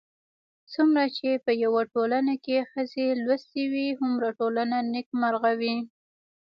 څومره چې په يوه ټولنه کې ښځې لوستې وي، هومره ټولنه نېکمرغه وي